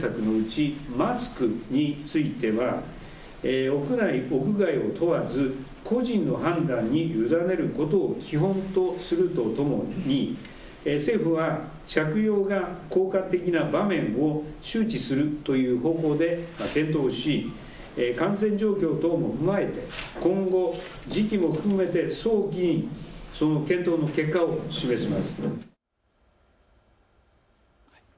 また感染対策のうちマスクについては屋内、屋外を問わず個人の判断に委ねることを基本とするとともに政府は着用が効果的な場面を周知するという方法で検討し感染状況を踏まえて今後時期を含めて早期にその検討の結果を示します。